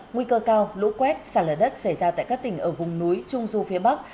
nguy cơ cao lũ quét xả lở đất xảy ra tại các tỉnh ở vùng núi trung du phía bắc